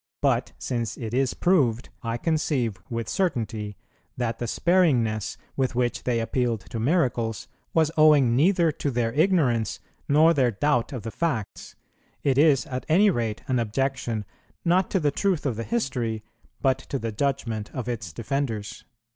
But since it is proved, I conceive with certainty, that the sparingness with which they appealed to miracles was owing neither to their ignorance nor their doubt of the facts, it is at any rate an objection, not to the truth of the history, but to the judgment of its defenders."